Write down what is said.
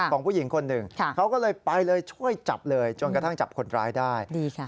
ของผู้หญิงคนหนึ่งเขาก็เลยไปเลยช่วยจับเลยจนกระทั่งจับคนร้ายได้